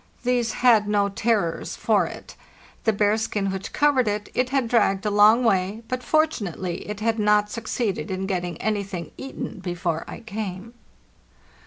These had no terrors for it. The bearskin which covered it, it had dragged a long way, but fort unately it had not succeeded in getting anything eaten before I came.